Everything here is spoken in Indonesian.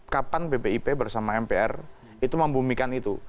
kapan bpip bersama mpr itu membumikan itu